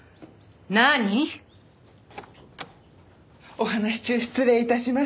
お話し中失礼致します。